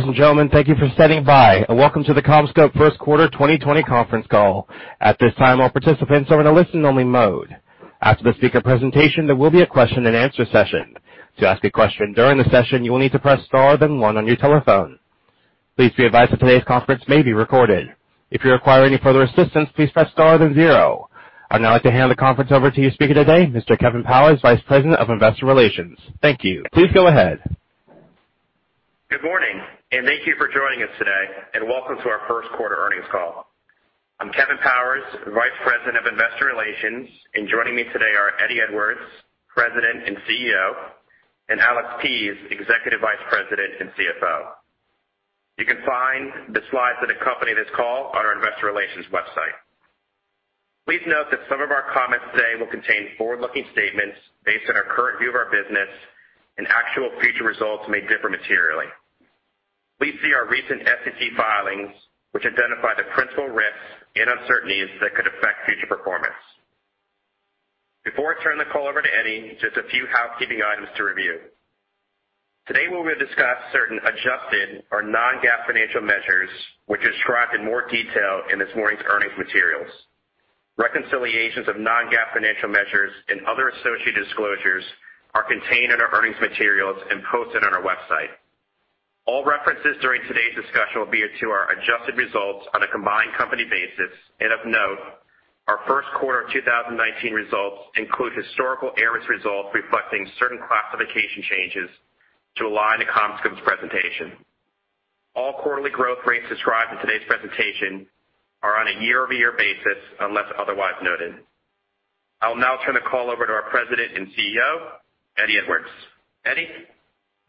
Ladies and gentlemen, thank you for standing by, and welcome to the CommScope First Quarter 2020 conference call. At this time, all participants are in a listen-only mode. After the speaker presentation, there will be a question and answer session. To ask a question during the session, you will need to press star then one on your telephone. Please be advised that today's conference may be recorded. If you require any further assistance, please press star then zero. I'd now like to hand the conference over to your speaker today, Mr. Kevin Powers, Vice President of Investor Relations. Thank you. Please go ahead. Good morning and thank you for joining us today. Welcome to our first quarter earnings call. I'm Kevin Powers, Vice President of Investor Relations, and joining me today are Eddie Edwards, President and CEO, and Alex Pease, Executive Vice President and CFO. You can find the slides that accompany this call on our investor relations website. Please note that some of our comments today will contain forward-looking statements based on our current view of our business and actual future results may differ materially. Please see our recent SEC filings, which identify the principal risks and uncertainties that could affect future performance. Before I turn the call over to Eddie, just a few housekeeping items to review. Today, we will discuss certain adjusted or non-GAAP financial measures, which are described in more detail in this morning's earnings materials. Reconciliations of non-GAAP financial measures and other associated disclosures are contained in our earnings materials and posted on our website. All references during today's discussion will be to our adjusted results on a combined company basis, and of note, our first quarter 2019 results include historical ARRIS results reflecting certain classification changes to align to CommScope's presentation. All quarterly growth rates described in today's presentation are on a year-over-year basis, unless otherwise noted. I'll now turn the call over to our President and CEO, Eddie Edwards. Eddie?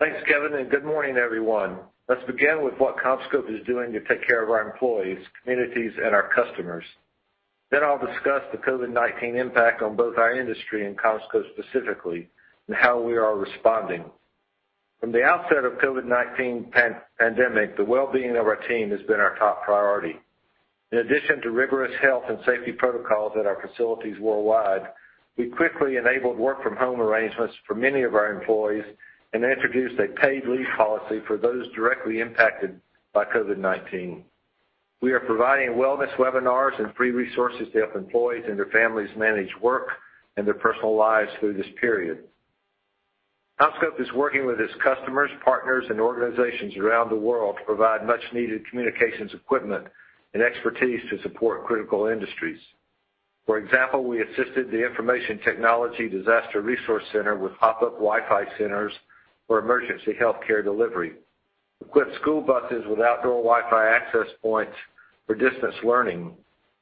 Thanks, Kevin, and good morning, everyone. Let's begin with what CommScope is doing to take care of our employees, communities, and our customers, then I'll discuss the COVID-19 impact on both our industry and CommScope specifically and how we are responding. From the outset of COVID-19 pandemic, the wellbeing of our team has been our top priority. In addition to rigorous health and safety protocols at our facilities worldwide, we quickly enabled work from home arrangements for many of our employees and introduced a paid leave policy for those directly impacted by COVID-19. We are providing wellness webinars and free resources to help employees and their families manage work and their personal lives through this period. CommScope is working with its customers, partners, and organizations around the world to provide much needed communications equipment and expertise to support critical industries. For example, we assisted the Information Technology Disaster Resource Center with pop-up Wi-Fi centers for emergency healthcare delivery, equipped school buses with outdoor Wi-Fi access points for distance learning,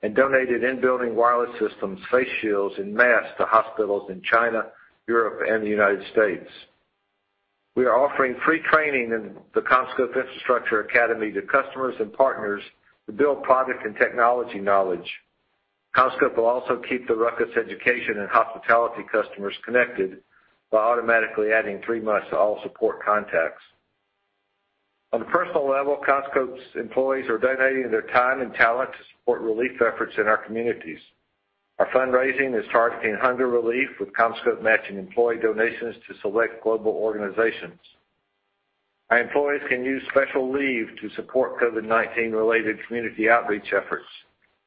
and donated in-building wireless systems, face shields, and masks to hospitals in China, Europe, and the United States. We are offering free training in the CommScope Infrastructure Academy to customers and partners to build product and technology knowledge. CommScope will also keep the RUCKUS education and hospitality customers connected by automatically adding three months to all support contacts. On a personal level, CommScope's employees are donating their time and talent to support relief efforts in our communities. Our fundraising is targeting hunger relief, with CommScope matching employee donations to select global organizations. Our employees can use special leave to support COVID-19 related community outreach efforts,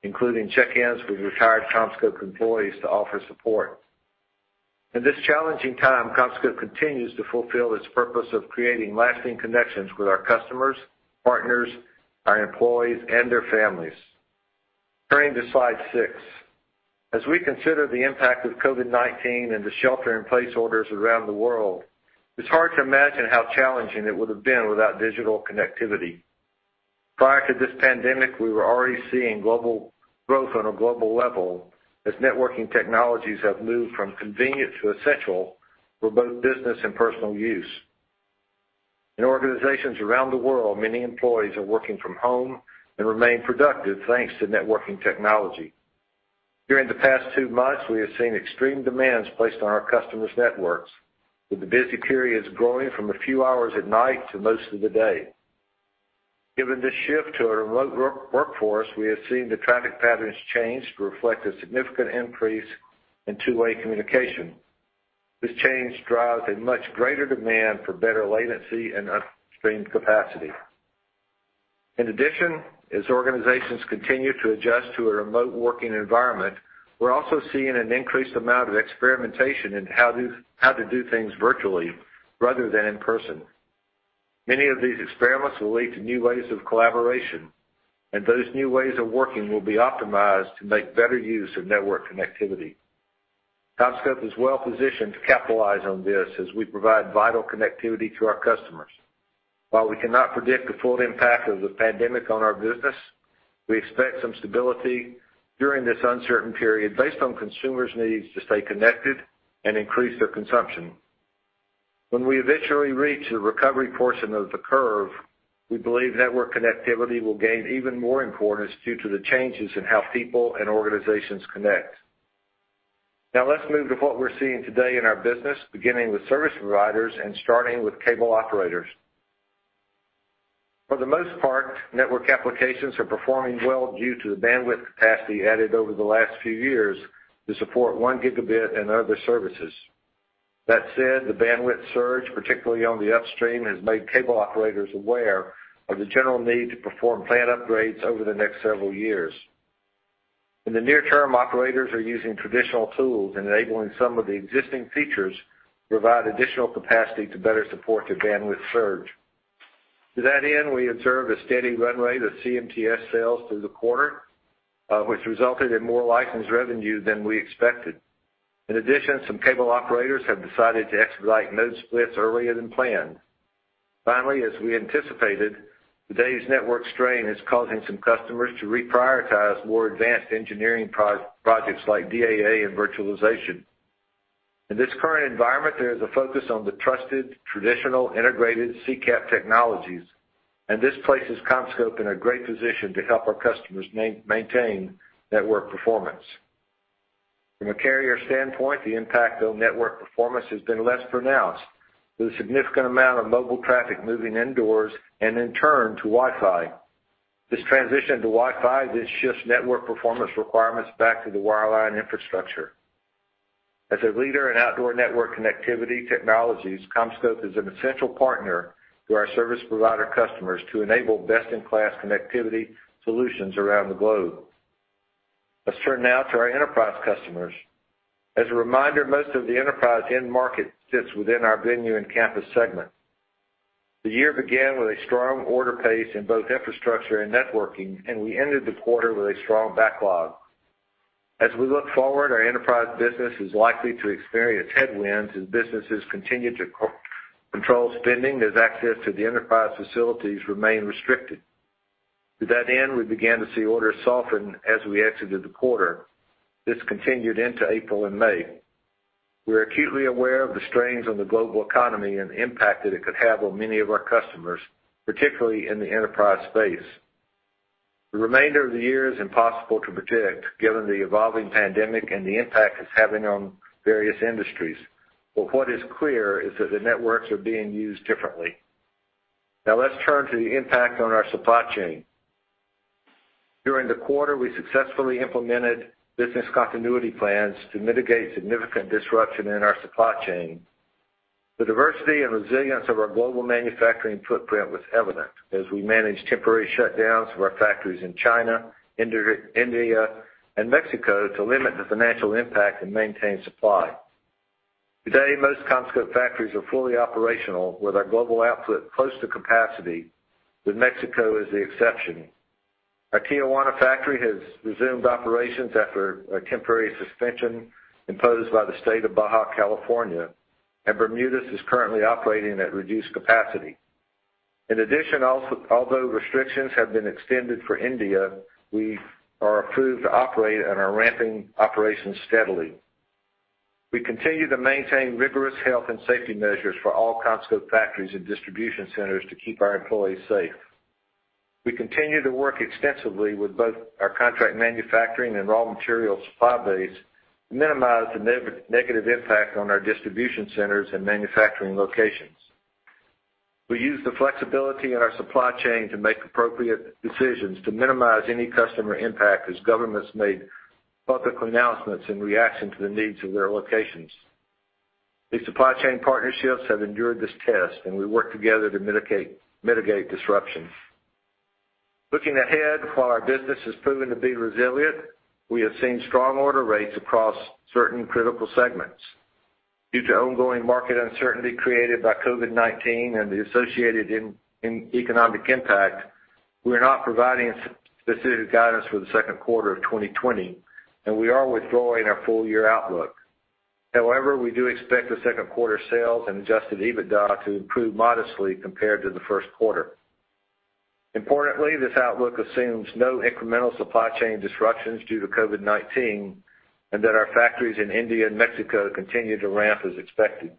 including check-ins with retired CommScope employees to offer support. In this challenging time, CommScope continues to fulfill its purpose of creating lasting connections with our customers, partners, our employees, and their families. Turning to slide six, as we consider the impact of COVID-19 and the shelter in place orders around the world, it's hard to imagine how challenging it would have been without digital connectivity. Prior to this pandemic, we were already seeing growth on a global level as networking technologies have moved from convenient to essential for both business and personal use. In organizations around the world, many employees are working from home and remain productive thanks to networking technology. During the past two months, we have seen extreme demands placed on our customers' networks, with the busy periods growing from a few hours at night to most of the day. Given the shift to a remote work workforce, we have seen the traffic patterns change to reflect a significant increase in two-way communication. This change drives a much greater demand for better latency and upstream capacity. In addition, as organizations continue to adjust to a remote working environment, we're also seeing an increased amount of experimentation in how to do things virtually rather than in person. Many of these experiments will lead to new ways of collaboration and those new ways of working will be optimized to make better use of network connectivity. CommScope is well positioned to capitalize on this as we provide vital connectivity to our customers. While we cannot predict the full impact of the pandemic on our business, we expect some stability during this uncertain period based on consumers' needs to stay connected and increase their consumption. When we eventually reach the recovery portion of the curve, we believe network connectivity will gain even more importance due to the changes in how people and organizations connect. Now let's move to what we're seeing today in our business, beginning with service providers and starting with cable operators. For the most part, network applications are performing well due to the bandwidth capacity added over the last few years to support 1 Gb and other services. With that said, the bandwidth surge, particularly on the upstream, has made cable operators aware of the general need to perform plan upgrades over the next several years. In the near term, operators are using traditional tools and enabling some of the existing features to provide additional capacity to better support the bandwidth surge. To that end, we observe a steady run rate to CMTS sales through the quarter, which resulted in more licensed revenue than we expected. In addition, some cable operators have decided to expedite node splits earlier than planned. Finally, as we anticipated, today's network strain is causing some customers to reprioritize more advanced engineering projects like DAA and virtualization. In this current environment, there is a focus on the trusted, traditional, integrated CCAP technologies, and this places CommScope in a great position to help our customers maintain network performance. From a carrier standpoint, the impact on network performance has been less pronounced, with a significant amount of mobile traffic moving indoors and in turn to Wi-Fi. This transition to Wi-Fi then shifts network performance requirements back to the wireline infrastructure. As a leader in outdoor network connectivity technologies, CommScope is an essential partner to our service provider customers to enable best-in-class connectivity solutions around the globe. Let's turn now to our enterprise customers. As a reminder, most of the enterprise end market sits within our Venue and Campus segment. The year began with a strong order pace in both infrastructure and networking and we ended the quarter with a strong backlog. As we look forward, our enterprise business is likely to experience headwinds as businesses continue to control spending, as access to the enterprise facilities remain restricted. To that end, we began to see orders soften as we exited the quarter. This continued into April and May. We're acutely aware of the strains on the global economy and the impact that it could have on many of our customers, particularly in the enterprise space. The remainder of the year is impossible to predict, given the evolving pandemic and the impact it's having on various industries. What is clear is that the networks are being used differently. Now let's turn to the impact on our supply chain. During the quarter, we successfully implemented business continuity plans to mitigate significant disruption in our supply chain. The diversity and resilience of our global manufacturing footprint was evident as we managed temporary shutdowns of our factories in China, India, and Mexico to limit the financial impact and maintain supply. Today, most CommScope factories are fully operational, with our global output close to capacity, with Mexico as the exception. Our Tijuana factory has resumed operations after a temporary suspension imposed by the State of Baja California, and Bermúdez is currently operating at reduced capacity. Although restrictions have been extended for India, we are approved to operate and are ramping operations steadily. We continue to maintain rigorous health and safety measures for all CommScope factories and distribution centers to keep our employees safe. We continue to work extensively with both our contract manufacturing and raw material supply base to minimize the negative impact on our distribution centers and manufacturing locations. We use the flexibility on our supply chain to make appropriate decisions to minimize any customer impact as governments made public announcements in reaction to the needs of their locations. These supply chain partnerships have endured this test and we work together to mitigate disruption. Looking ahead, while our business has proven to be resilient, we have seen strong order rates across certain critical segments. Due to ongoing market uncertainty created by COVID-19 and the associated economic impact, we are not providing specific guidance for the second quarter of 2020, and we are withdrawing our full year outlook. However, we do expect the second quarter sales and adjusted EBITDA to improve modestly compared to the first quarter. Importantly, this outlook assumes no incremental supply chain disruptions due to COVID-19, and that our factories in India and Mexico continue to ramp as expected.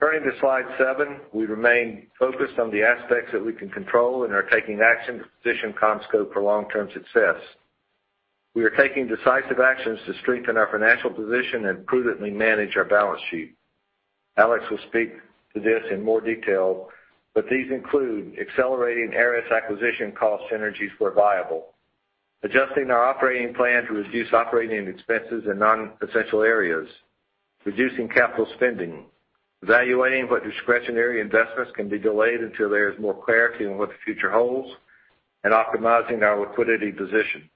Turning to slide seven, we remain focused on the aspects that we can control and are taking action to position CommScope for long-term success. We are taking decisive actions to strengthen our financial position and prudently manage our balance sheet. Alex will speak to this in more detail, but these include accelerating ARRIS acquisition cost synergies where viable, adjusting our operating plan to reduce operating expenses in non-essential areas, reducing capital spending, evaluating what discretionary investments can be delayed until there is more clarity on what the future holds, and optimizing our liquidity position.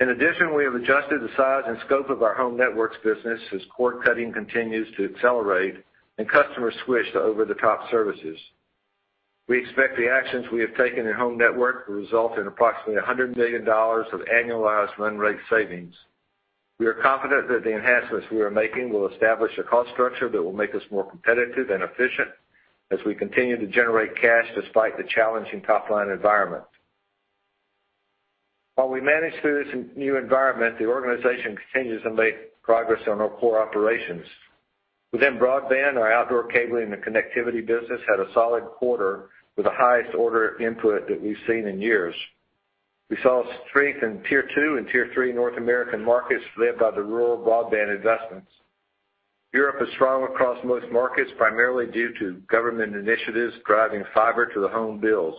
In addition, we have adjusted the size and scope of our Home Networks business as cord cutting continues to accelerate and customers switch to over-the-top services. We expect the actions we have taken in Home Networks will result in approximately $100 million of annualized run rate savings. We are confident that the enhancements we are making will establish a cost structure that will make us more competitive and efficient as we continue to generate cash despite the challenging top-line environment. While we manage through this new environment, the organization continues to make progress on our core operations. Within broadband, our outdoor cabling and connectivity business had a solid quarter with the highest order input that we've seen in years. We saw strength in Tier 2 and Tier 3 North American markets led by the rural broadband investments. Europe is strong across most markets, primarily due to government initiatives driving fiber to the home builds.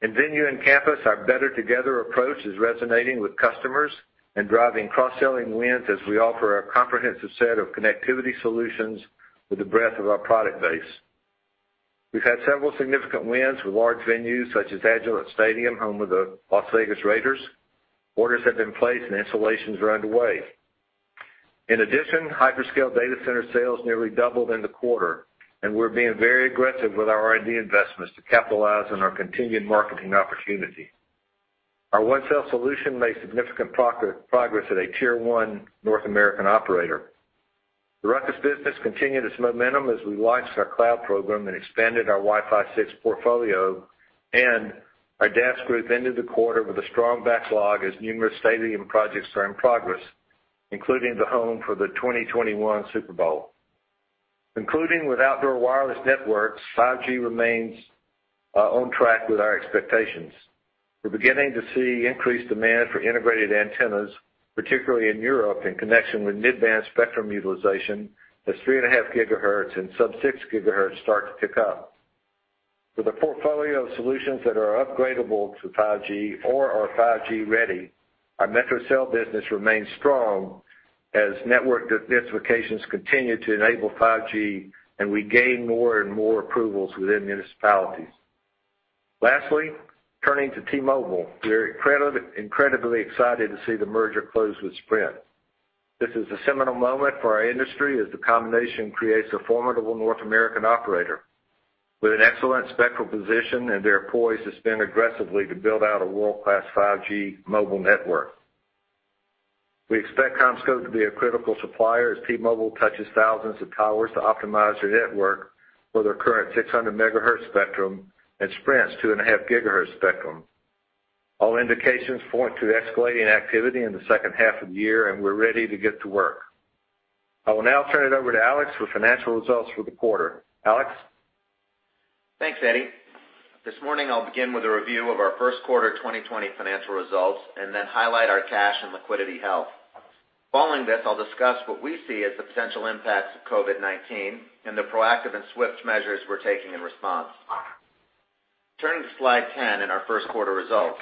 In Venue and Campus, our better together approach is resonating with customers and driving cross-selling wins as we offer a comprehensive set of connectivity solutions with the breadth of our product base. We've had several significant wins with large venues such as Allegiant Stadium, home of the Las Vegas Raiders. Orders have been placed and installations are underway. In addition, hyperscale data center sales nearly doubled in the quarter. We're being very aggressive with our R&D investments to capitalize on our continued marketing opportunity. Our OneCell solution made significant progress at a Tier 1 North American operator. The RUCKUS business continued its momentum as we launched our cloud program and expanded our Wi-Fi 6 portfolio. Our DAS group ended the quarter with a strong backlog as numerous stadium projects are in progress, including the home for the 2021 Super Bowl. Concluding with Outdoor Wireless Networks, 5G remains on track with our expectations. We're beginning to see increased demand for integrated antennas, particularly in Europe, in connection with mid-band spectrum utilization as 3.5 GHz and sub-6 GHz start to pick up. With a portfolio of solutions that are upgradable to 5G or are 5G ready, our metro cell business remains strong as network densifications continue to enable 5G, we gain more and more approvals within municipalities. Lastly, turning to T-Mobile, we're incredibly excited to see the merger close with Sprint. This is a seminal moment for our industry as the combination creates a formidable North American operator with an excellent spectral position, they are poised to spend aggressively to build out a world-class 5G mobile network. We expect CommScope to be a critical supplier as T-Mobile touches 1,000s of towers to optimize their network for their current 600 MHz spectrum and Sprint's 2.5 GHz spectrum. All indications point to escalating activity in the second half of the year and we're ready to get to work. I will now turn it over to Alex for financial results for the quarter. Alex? Thanks, Eddie. This morning, I'll begin with a review of our first quarter 2020 financial results and then highlight our cash and liquidity health. Following this, I'll discuss what we see as the potential impacts of COVID-19 and the proactive and swift measures we're taking in response. Turning to slide 10 in our first quarter results.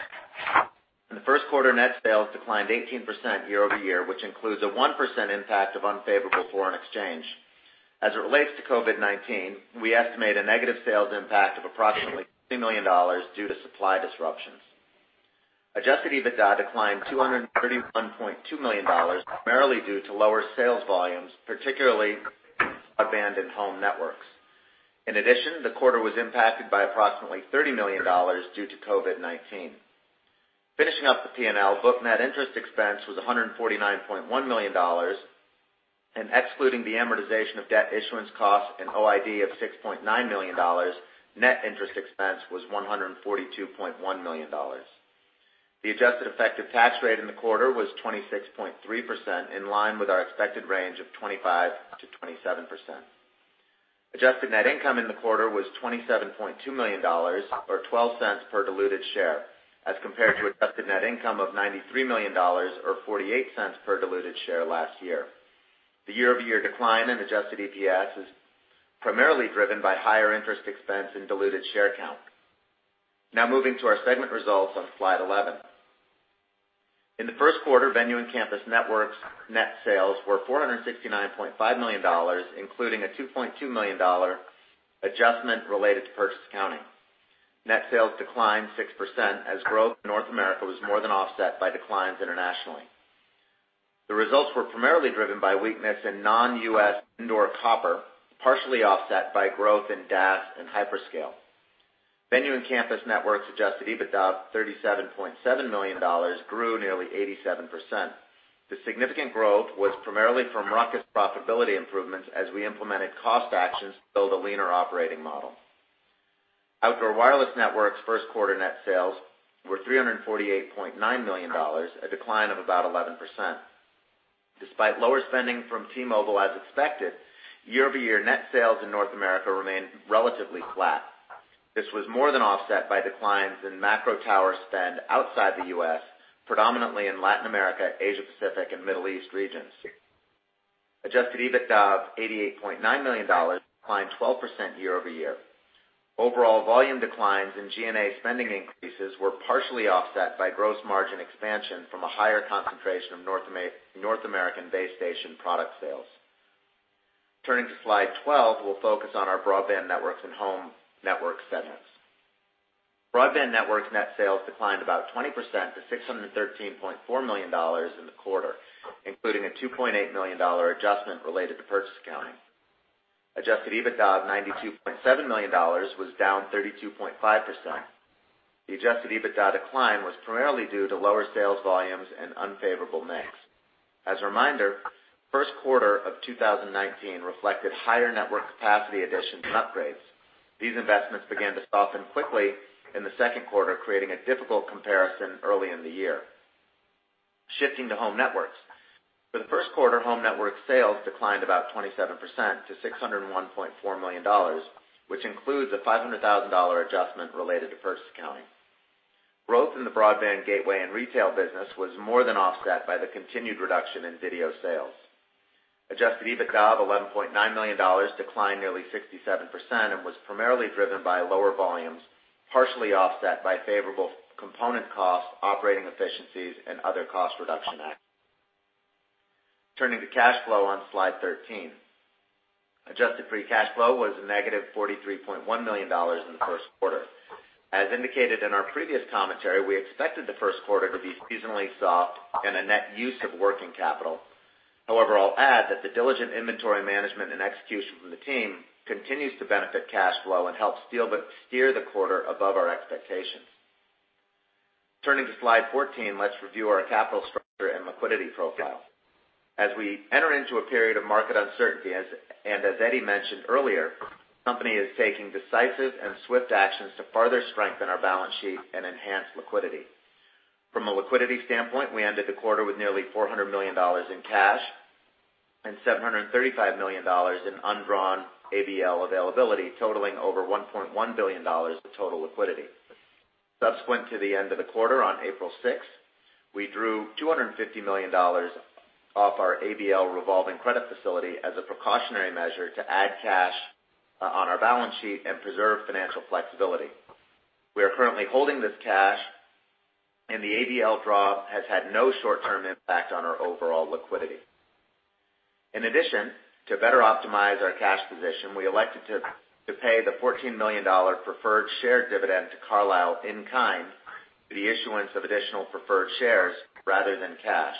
In the first quarter, net sales declined 18% year-over-year, which includes a 1% impact of unfavorable foreign exchange. As it relates to COVID-19, we estimate a negative sales impact of approximately $70 million due to supply disruptions. Adjusted EBITDA declined $231.2 million, primarily due to lower sales volumes, particularly broadband and home networks. In addition, the quarter was impacted by approximately $30 million due to COVID-19. Finishing up the P&L, book net interest expense was $149.1 million, and excluding the amortization of debt issuance costs and OID of $6.9 million, net interest expense was $142.1 million. The adjusted effective tax rate in the quarter was 26.3%, in line with our expected range of 25% to 27%. Adjusted net income in the quarter was $27.2 million or $0.12 per diluted share as compared to adjusted net income of $93 million or $0.48 per diluted share last year. The year-over-year decline in adjusted EPS is primarily driven by higher interest expense and diluted share count. Now moving to our segment results on slide 11, in the first quarter, Venue and Campus Networks' net sales were $469.5 million, including a $2.2 million adjustment related to purchase accounting. Net sales declined 6% as growth in North America was more than offset by declines internationally. The results were primarily driven by weakness in non-U.S. indoor copper, partially offset by growth in DAS and hyperscale. Venue and Campus Networks adjusted EBITDA of $37.7 million grew nearly 87%. The significant growth was primarily from RUCKUS profitability improvements as we implemented cost actions to build a leaner operating model. Outdoor Wireless Networks' first quarter net sales were $348.9 million, a decline of about 11%. Despite lower spending from T-Mobile as expected, year-over-year net sales in North America remained relatively flat. This was more than offset by declines in macro tower spend outside the U.S., predominantly in Latin America, Asia Pacific, and Middle East regions. Adjusted EBITDA of $88.9 million declined 12% year-over-year. Overall volume declines in G&A spending increases were partially offset by gross margin expansion from a higher concentration of North American base station product sales. Turning to slide 12, we'll focus on our Broadband Networks and Home Networks segments. Broadband Networks' net sales declined about 20% to $613.4 million in the quarter, including a $2.8 million adjustment related to purchase accounting. Adjusted EBITDA of $92.7 million was down 32.5%. The adjusted EBITDA decline was primarily due to lower sales volumes and unfavorable mix. As a reminder, first quarter of 2019 reflected higher network capacity additions and upgrades. These investments began to soften quickly in the second quarter, creating a difficult comparison early in the year. Shifting to Home Networks, for the first quarter, Home Networks sales declined about 27% to $601.4 million, which includes a $500,000 adjustment related to purchase accounting. Growth in the broadband gateway and retail business was more than offset by the continued reduction in video sales. Adjusted EBITDA of $11.9 million, declined nearly 67%, and was primarily driven by lower volumes, partially offset by favorable component costs, operating efficiencies, and other cost reduction actions. Turning to cash flow on slide 13, adjusted free cash flow was negative $43.1 million in the first quarter. As indicated in our previous commentary, we expected the first quarter to be seasonally soft and a net use of working capital. However, I'll add that the diligent inventory management and execution from the team continues to benefit cash flow and helped steer the quarter above our expectations. Turning to slide 14, let's review our capital structure and liquidity profile. As we enter into a period of market uncertainty, as Eddie mentioned earlier, the company is taking decisive and swift actions to further strengthen our balance sheet and enhance liquidity. From a liquidity standpoint, we ended the quarter with nearly $400 million in cash and $735 million in undrawn ABL availability, totaling over $1.1 billion of total liquidity. Subsequent to the end of the quarter, on April 6th, we drew $250 million off our ABL revolving credit facility as a precautionary measure to add cash on our balance sheet and preserve financial flexibility. We are currently holding this cash, and the ABL draw has had no short-term impact on our overall liquidity. In addition, to better optimize our cash position, we elected to pay the $14 million preferred share dividend to Carlyle in kind through the issuance of additional preferred shares rather than cash.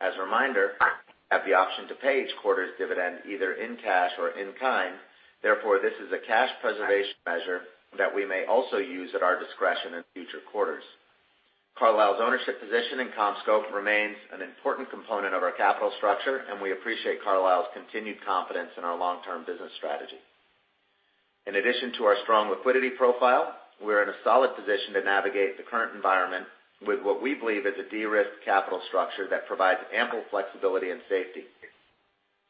As a reminder, we have the option to pay each quarter's dividend either in cash or in kind. Therefore, this is a cash preservation measure that we may also use at our discretion in future quarters. Carlyle's ownership position in CommScope remains an important component of our capital structure, and we appreciate Carlyle's continued confidence in our long-term business strategy. In addition to our strong liquidity profile, we're in a solid position to navigate the current environment with what we believe is a de-risked capital structure that provides ample flexibility and safety.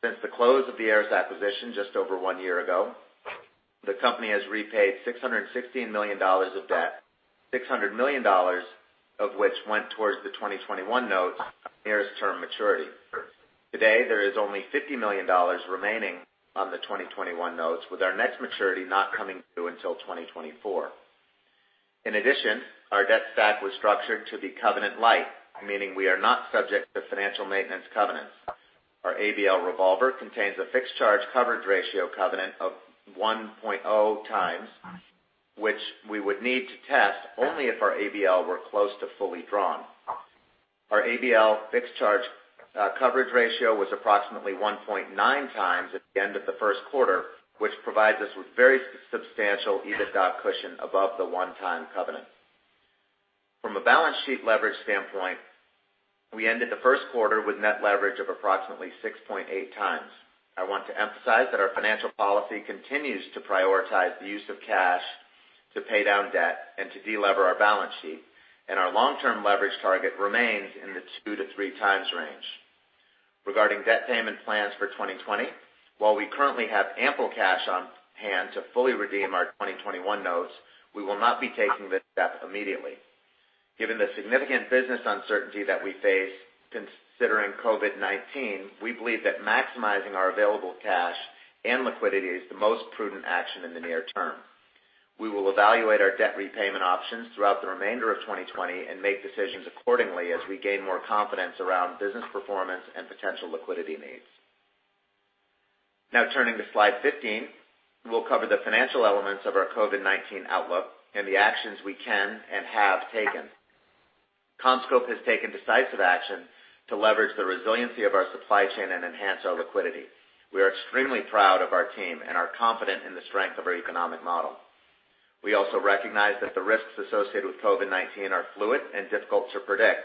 Since the close of the ARRIS acquisition just over one year ago, the company has repaid $616 million of debt, $600 million of which went towards the 2021 notes nearest term maturity. Today, there is only $50 million remaining on the 2021 notes, with our next maturity not coming due until 2024. In addition, our debt stack was structured to be covenant light, meaning we are not subject to financial maintenance covenants. Our ABL revolver contains a fixed charge coverage ratio covenant of 1.0x, which we would need to test only if our ABL were close to fully drawn. Our ABL fixed charge coverage ratio was approximately 1.9x at the end of the first quarter, which provides us with very substantial EBITDA cushion above the one-time covenant. From a balance sheet leverage standpoint, we ended the first quarter with net leverage of approximately 6.8x. I want to emphasize that our financial policy continues to prioritize the use of cash to pay down debt and to de-lever our balance sheet, and our long-term leverage target remains in the 2x to 3x range. Regarding debt payment plans for 2020, while we currently have ample cash on hand to fully redeem our 2021 notes, we will not be taking this step immediately. Given the significant business uncertainty that we face considering COVID-19, we believe that maximizing our available cash and liquidity is the most prudent action in the near term. We will evaluate our debt repayment options throughout the remainder of 2020 and make decisions accordingly as we gain more confidence around business performance and potential liquidity needs. Turning to slide 15, we'll cover the financial elements of our COVID-19 outlook and the actions we can and have taken. CommScope has taken decisive action to leverage the resiliency of our supply chain and enhance our liquidity. We are extremely proud of our team and are confident in the strength of our economic model. We also recognize that the risks associated with COVID-19 are fluid and difficult to predict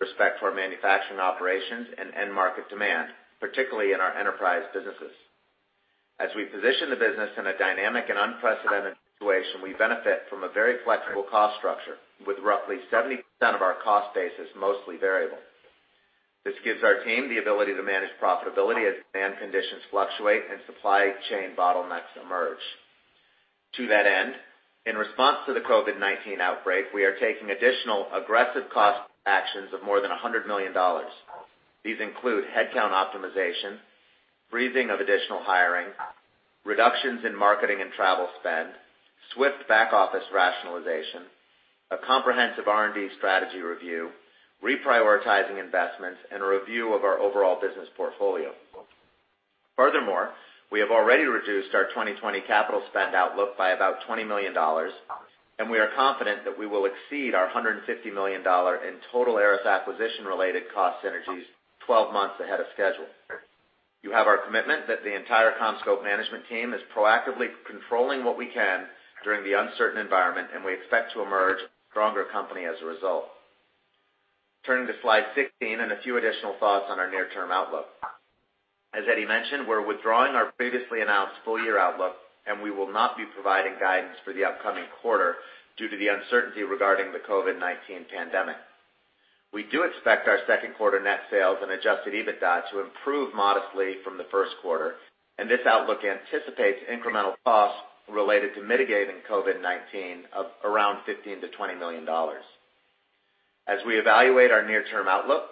with respect to our manufacturing operations and end market demand, particularly in our enterprise businesses. As we position the business in a dynamic and unprecedented situation, we benefit from a very flexible cost structure with roughly 70% of our cost base as mostly variable. This gives our team the ability to manage profitability as demand conditions fluctuate and supply chain bottlenecks emerge. To that end, in response to the COVID-19 outbreak, we are taking additional aggressive cost actions of more than $100 million. These include headcount optimization, freezing of additional hiring, reductions in marketing and travel spend, swift back office rationalization, a comprehensive R&D strategy review, reprioritizing investments, and a review of our overall business portfolio. Furthermore, we have already reduced our 2020 capital spend outlook by about $20 million, and we are confident that we will exceed our $150 million in total ARRIS acquisition-related cost synergies 12 months ahead of schedule. You have our commitment that the entire CommScope management team is proactively controlling what we can during the uncertain environment, and we expect to emerge a stronger company as a result. Turning to slide 16 and a few additional thoughts on our near-term outlook. As Eddie mentioned, we're withdrawing our previously announced full-year outlook, and we will not be providing guidance for the upcoming quarter due to the uncertainty regarding the COVID-19 pandemic. We do expect our second quarter net sales and adjusted EBITDA to improve modestly from the first quarter. This outlook anticipates incremental costs related to mitigating COVID-19 of around $15 million to $20 million. As we evaluate our near-term outlook,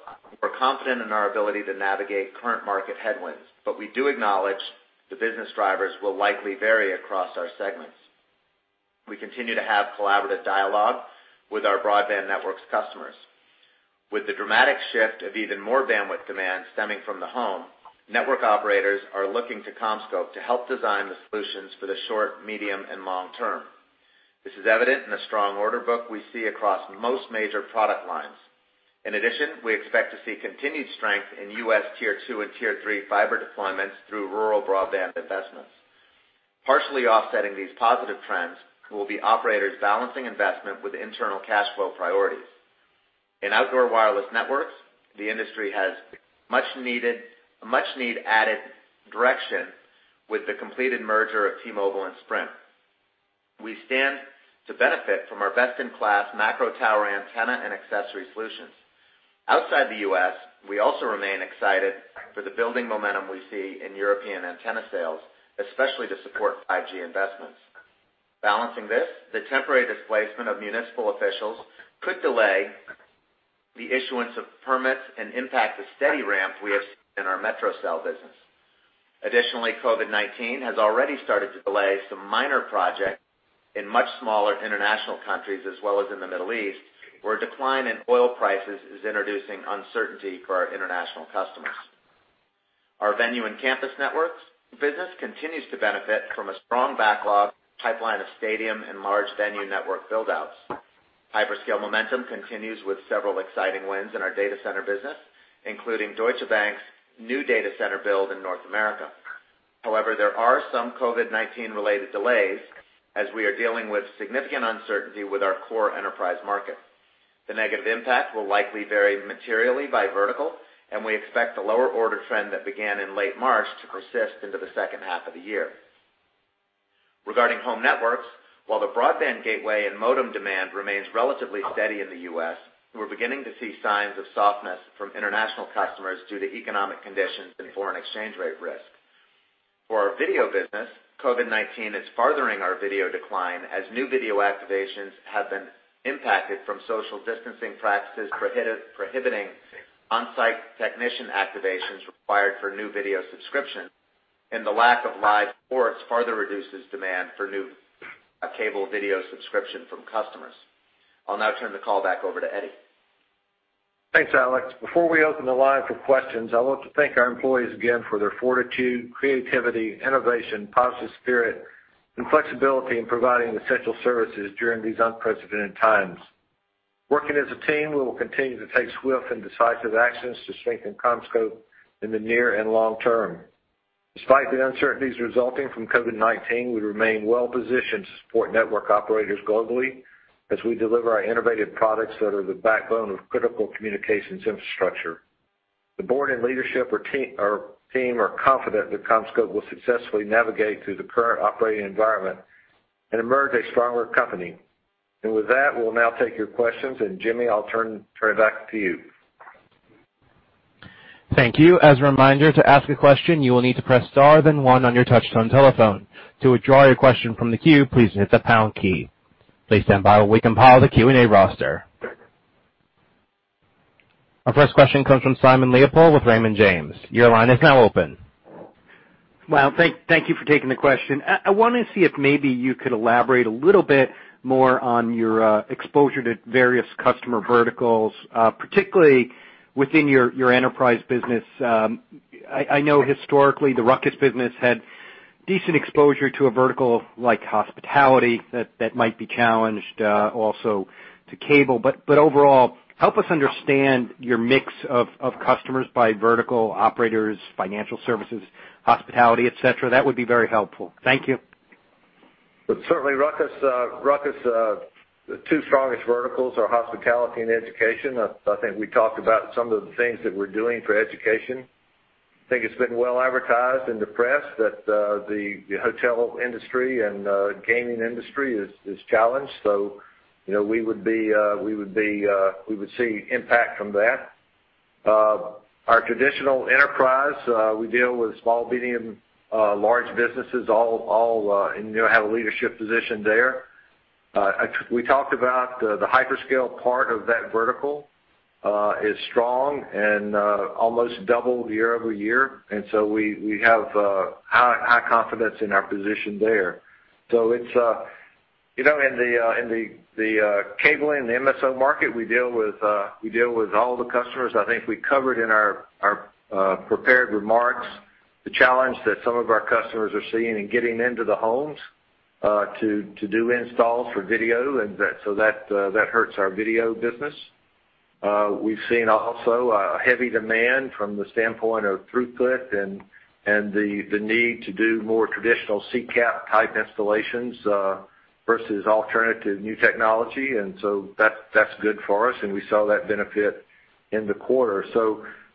we're confident in our ability to navigate current market headwinds. We do acknowledge the business drivers will likely vary across our segments. We continue to have collaborative dialogue with our Broadband Networks customers. With the dramatic shift of even more bandwidth demand stemming from the home, network operators are looking to CommScope to help design the solutions for the short, medium, and long term. This is evident in the strong order book we see across most major product lines. In addition, we expect to see continued strength in U.S. Tier 2 and Tier 3 fiber deployments through rural broadband investments. Partially offsetting these positive trends will be operators balancing investment with internal cash flow priorities. In Outdoor Wireless Networks, the industry has much-needed added direction with the completed merger of T-Mobile and Sprint. We stand to benefit from our best-in-class macro tower antenna and accessory solutions. Outside the U.S., we also remain excited for the building momentum we see in European antenna sales, especially to support 5G investments. Balancing this, the temporary displacement of municipal officials could delay the issuance of permits and impact the steady ramp we have seen in our metro cell business. Additionally, COVID-19 has already started to delay some minor projects in much smaller international countries as well as in the Middle East, where a decline in oil prices is introducing uncertainty for our international customers. Our Venue and Campus Networks business continues to benefit from a strong backlog pipeline of stadium and large venue network build-outs. Hyperscale momentum continues with several exciting wins in our data center business, including Deutsche Bank's new data center build in North America. However, there are some COVID-19 related delays as we are dealing with significant uncertainty with our core enterprise market. The negative impact will likely vary materially by vertical, and we expect the lower order trend that began in late March to persist into the second half of the year. Regarding Home Networks, while the broadband gateway and modem demand remains relatively steady in the U.S., we're beginning to see signs of softness from international customers due to economic conditions and foreign exchange rate risk. For our video business, COVID-19 is furthering our video decline as new video activations have been impacted from social distancing practices prohibiting on-site technician activations required for new video subscription. The lack of live sports further reduces demand for new cable video subscription from customers. I'll now turn the call back over to Eddie. Thanks, Alex. Before we open the line for questions, I want to thank our employees again for their fortitude, creativity, innovation, positive spirit, and flexibility in providing essential services during these unprecedented times. Working as a team, we will continue to take swift and decisive actions to strengthen CommScope in the near and long term. Despite the uncertainties resulting from COVID-19, we remain well-positioned to support network operators globally as we deliver our innovative products that are the backbone of critical communications infrastructure. The board and leadership, our team are confident that CommScope will successfully navigate through the current operating environment and emerge a stronger company, and with that, we'll now take your questions and Jimmy, I'll turn it back to you. Thank you. As a reminder, to ask a question, you will need to press star then one on your touchtone telephone. To withdraw your question from the queue, please hit the pound key. Please stand by while we compile the Q&A roster. Our first question comes from Simon Leopold with Raymond James. Your line is now open. Well, thank you for taking the question. I want to see if maybe you could elaborate a little bit more on your exposure to various customer verticals, particularly within your enterprise business. I know historically, the RUCKUS business had decent exposure to a vertical like hospitality that might be challenged also to cable. Overall, help us understand your mix of customers by vertical operators, financial services, hospitality, et cetera. That would be very helpful. Thank you. Certainly. RUCKUS, the two strongest verticals are hospitality and education. I think we talked about some of the things that we're doing for education. I think it's been well advertised in the press that the hotel industry and gaming industry is challenged. We would see impact from that. Our traditional enterprise, we deal with small, medium, large businesses all, and have a leadership position there. We talked about the hyperscale part of that vertical is strong and almost doubled year-over-year. We have high confidence in our position there. In the cabling, the MSO market, we deal with all the customers. I think we covered in our prepared remarks the challenge that some of our customers are seeing in getting into the homes to do installs for video, and so that hurts our video business. We've seen also a heavy demand from the standpoint of throughput and the need to do more traditional CCAP type installations versus alternative new technology, and that's good for us, and we saw that benefit in the quarter.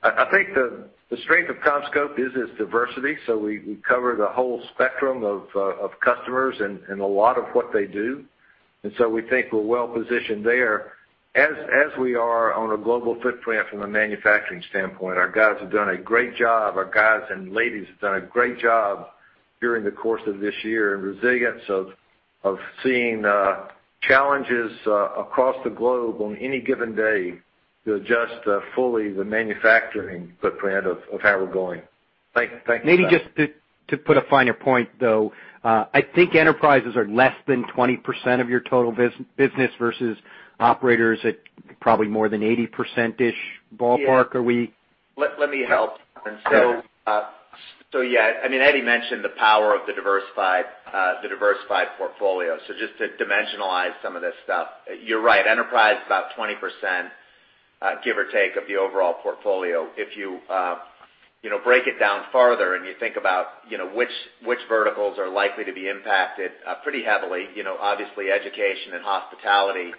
I think the strength of CommScope is its diversity. We cover the whole spectrum of customers and a lot of what they do, and so we think we're well-positioned there as we are on a global footprint from a manufacturing standpoint, our guys have done a great job. Our guys and ladies have done a great job during the course of this year in resilience of seeing challenges across the globe on any given day to adjust fully the manufacturing footprint of how we're going. Thanks for that. Maybe just to put a finer point, though. I think enterprises are less than 20% of your total business versus operators at probably more than 80%-ish ballpark, are we? Yeah, let me help. Sure. Yeah. Eddie mentioned the power of the diversified portfolio, so just to dimensionalize some of this stuff, you're right, enterprise is about 20%, give or take, of the overall portfolio. If you, you know, break it down further and you think about which verticals are likely to be impacted pretty heavily, obviously, education and hospitality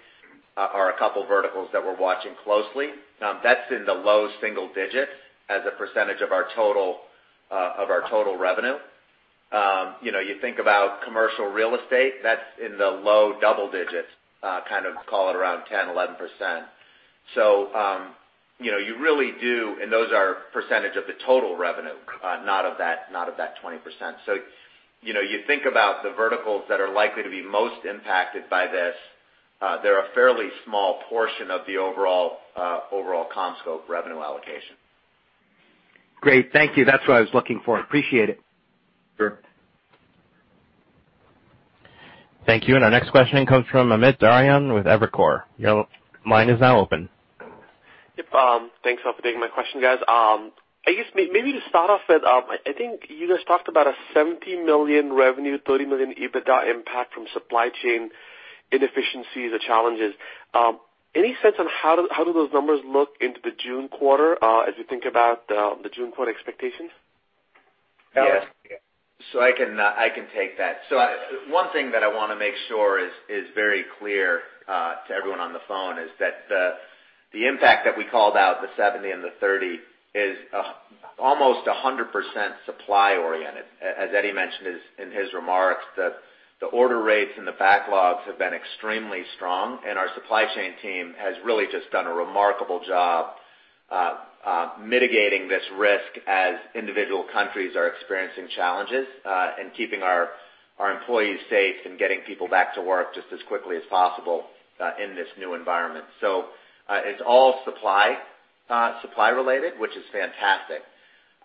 are a couple verticals that we're watching closely. That's in the low single digits as a percentage of our total revenue. You know, you think about commercial real estate, that's in the low double digits, call it around 10%, 11%. Those are percentage of the total revenue, not of that 20%. You think about the verticals that are likely to be most impacted by this, they're a fairly small portion of the overall CommScope revenue allocation. Great. Thank you. That is what I was looking for, appreciate it. Sure. Thank you. Our next questioning comes from Amit Daryanani with Evercore. Your line is now open. Yep. Thanks for taking my question, guys. I guess maybe to start off with, I think you guys talked about a $70 million revenue, $30 million EBITDA impact from supply chain inefficiencies or challenges. Any sense on how do those numbers look into the June quarter as you think about the June quarter expectations? I can take that. One thing that I want to make sure is very clear to everyone on the phone is that the impact that we called out, the 70 and the 30, is almost 100% supply oriented. As Eddie mentioned in his remarks, the order rates and the backlogs have been extremely strong, and our supply chain team has really just done a remarkable job mitigating this risk as individual countries are experiencing challenges, and keeping our employees safe and getting people back to work just as quickly as possible in this new environment. It's all supply-related, which is fantastic.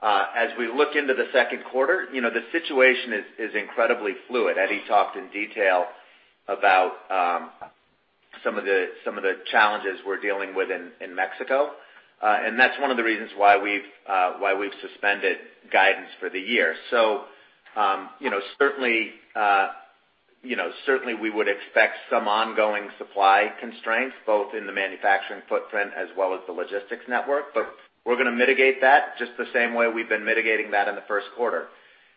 As we look into the second quarter, you know, the situation is incredibly fluid. Eddie talked in detail about some of the challenges we're dealing with in Mexico, and that's one of the reasons why we've suspended guidance for the year. Certainly, we would expect some ongoing supply constraints, both in the manufacturing footprint as well as the logistics network. We're going to mitigate that just the same way we've been mitigating that in the first quarter,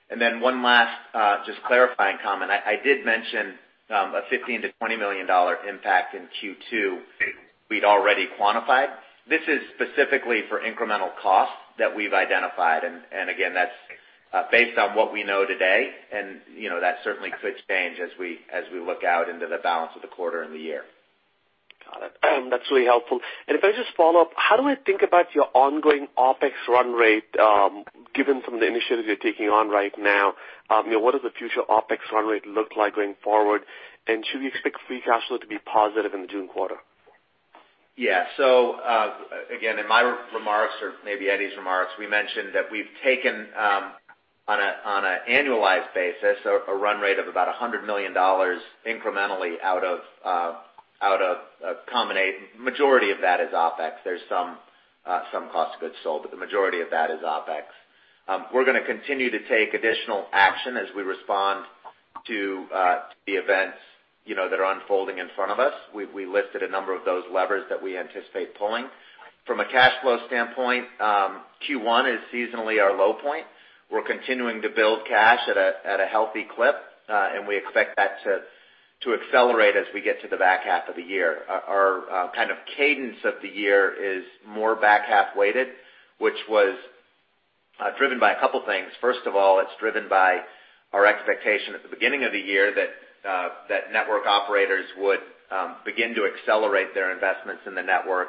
and then one last just clarifying comment. I did mention a $15 million to $20 million impact in Q2, we'd already quantified. This is specifically for incremental costs that we've identified, and again, that's based on what we know today and, you know, that certainly could change as we look out into the balance of the quarter and the year. Got it, and that's really helpful, and if I just follow up, how do we think about your ongoing OpEx run rate given some of the initiatives you're taking on right now? What does the future OpEx run rate look like going forward, and should we expect free cash flow to be positive in the June quarter? Yeah. Again, in my remarks, or maybe Eddie's remarks, we mentioned that we have taken, on a annualized basis, a run rate of about $100 million incrementally out of a combination, majority of that is OpEx. There's some cost goods sold, but the majority of that is OpEx. We're going to continue to take additional action as we respond to the events, you know, that are unfolding in front of us. We listed a number of those levers that we anticipate pulling. From a cash flow standpoint, Q1 is seasonally our low point. We're continuing to build cash at a healthy clip, and we expect that to accelerate as we get to the back half of the year. Our kind of cadence of the year is more back-half weighted, which was driven by a couple things. First of all, it's driven by our expectation at the beginning of the year that network operators would begin to accelerate their investments in the network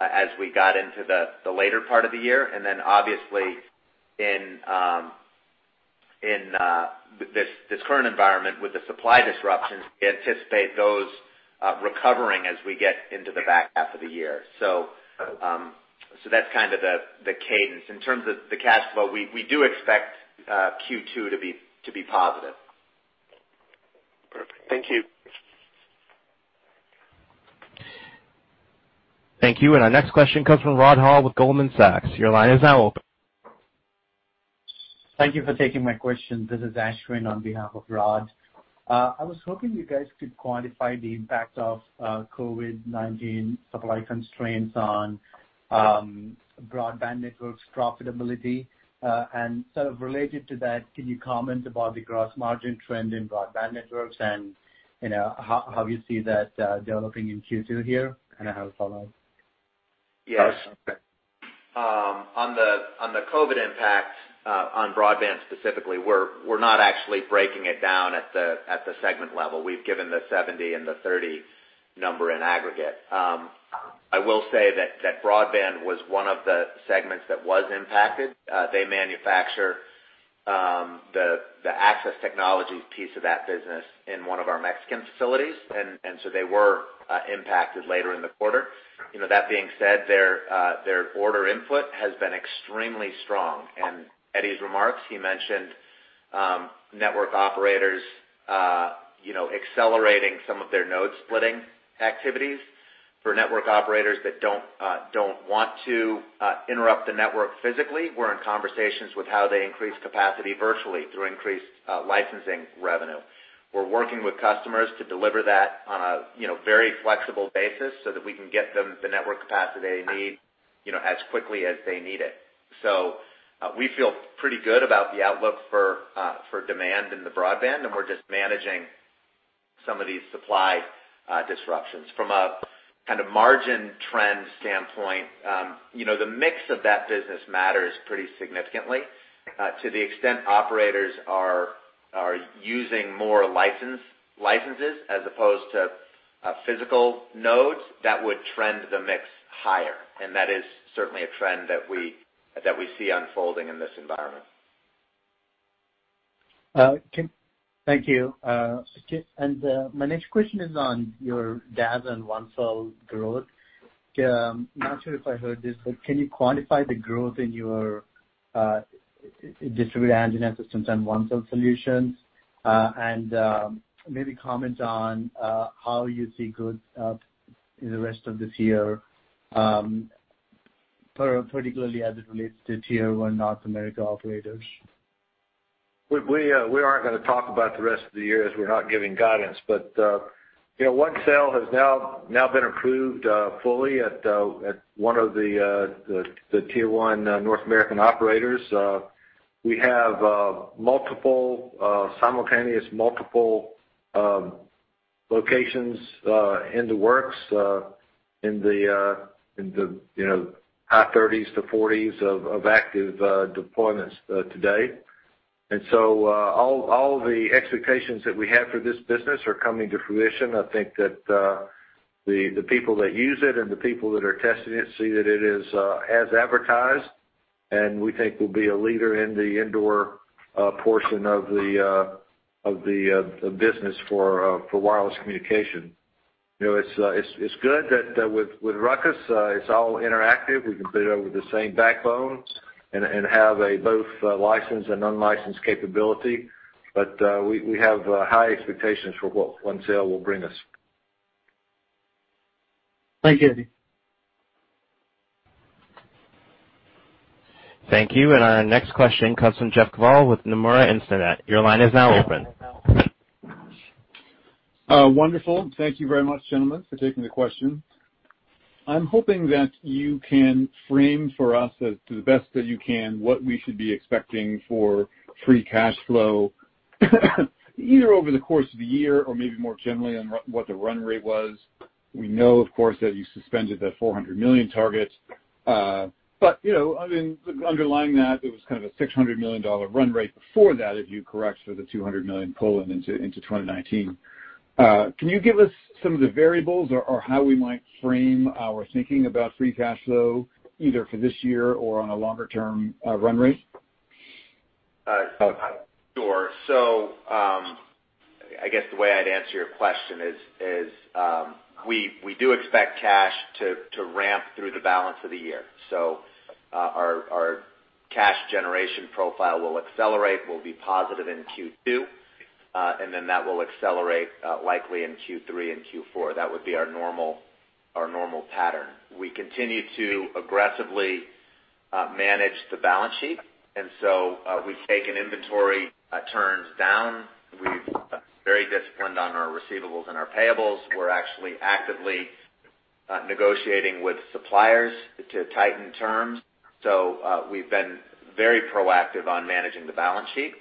as we got into the later part of the year, and then, obviously, in this current environment with the supply disruptions, we anticipate those recovering as we get into the back half of the year. That's kind of the cadence. In terms of the cash flow, we do expect Q2 to be positive. Perfect. Thank you. Thank you. Our next question comes from Rod Hall with Goldman Sachs. Your line is now open. Thank you for taking my question. This is Ashwin on behalf of Rod. I was hoping you guys could quantify the impact of COVID-19 supply constraints on Broadband Networks profitability, and sort of related to that, can you comment about the gross margin trend in Broadband Networks and how you see that developing in Q2 here? I have a follow-up. Yes. On the COVID-19 impact on Broadband specifically, we're not actually breaking it down at the segment level. We have given the 70 and the 30 number in aggregate. I will say that Broadband was one of the segments that was impacted. They manufacture the access technology piece of that business in one of our Mexican facilities, and so they were impacted later in the quarter. With that being said, their order input has been extremely strong, and in Eddie's remarks, he mentioned network operators, you know, accelerating some of their node-splitting activities. For network operators that don't want to interrupt the network physically, we're in conversations with how they increase capacity virtually through increased licensing revenue. We're working with customers to deliver that on, you know, very flexible basis so that we can get them the network capacity they need, as quickly as they need it. We feel pretty good about the outlook for demand in the broadband, and we're just managing some of these supply disruptions. From a margin trend standpoint, you know, the mix of that business matters pretty significantly. To the extent operators are using more licenses as opposed to physical nodes, that would trend the mix higher, and that is certainly a trend that we see unfolding in this environment. Thank you and my next question is on your DAS and OneCell growth. I am not sure if I heard this, but can you quantify the growth in your distributed antenna systems and OneCell solutions? Maybe comment on how you see growth in the rest of this year, particularly as it relates to Tier 1 North America operators. We aren't going to talk about the rest of the year, as we're not giving guidance. OneCell has now been approved fully at one of the tier 1 North American operators. We have simultaneous multiple locations in the works in the, you know, high 30s to 40s of active deployments today. All the expectations that we had for this business are coming to fruition. I think that the people that use it and the people that are testing it see that it is as advertised, and we think we'll be a leader in the indoor portion of the business for wireless communication. It's good that with RUCKUS, it's all interactive. We can put it over the same backbones and have both licensed and unlicensed capability. We have high expectations for what OneCell will bring us. Thank you, Eddie. Thank you. Our next question comes from Jeff Kvaal with Nomura Instinet. Your line is now open. Wonderful. Thank you very much, gentlemen, for taking the question. I'm hoping that you can frame for us, as to the best that you can, what we should be expecting for free cash flow either over the course of the year or maybe more generally on what the run rate was. We know, of course, that you suspended the $400 million target. Underlying that, there was a $600 million run rate before that, if you correct for the $200 million pull into 2019. Can you give us some of the variables or how we might frame our thinking about free cash flow, either for this year or on a longer-term run rate? Sure. I guess the way I'd answer your question is we do expect cash to ramp through the balance of the year. Our cash generation profile will accelerate, will be positive in Q2, and then that will accelerate likely in Q3 and Q4, that would be our normal pattern. We continue to aggressively manage the balance sheet and so we've taken inventory turns down. We've been very disciplined on our receivables and our payables. We're actually actively negotiating with suppliers to tighten terms. We've been very proactive on managing the balance sheet.